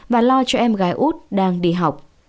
và lo cho em gái út đang đi học